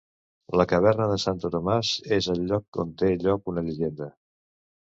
La caverna de Santo Tomás és el lloc on té lloc una llegenda.